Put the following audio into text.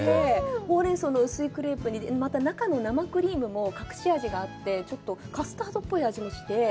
ホウレンソウの薄いクレープにまた中の生クリームも隠し味があって、ちょっとカスタードっぽい味もして。